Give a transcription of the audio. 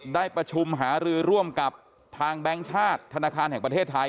ได้ประชุมหารือร่วมกับทางแบงค์ชาติธนาคารแห่งประเทศไทย